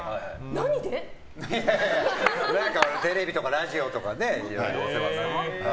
何かテレビとかラジオとかでいろいろお世話に。